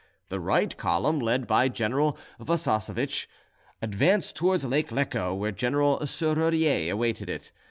The right column, led by General Wukassowich, advanced towards Lake Lecco, where General Serrurier awaited it.